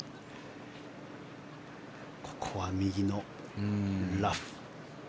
ここは右のラフ。